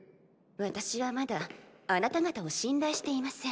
私はまだあなた方を信頼していません。